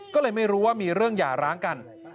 ก็เลยไม่รู้ว่ามีเรื่องหย่าร้างกัน